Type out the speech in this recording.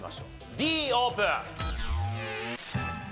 Ｄオープン！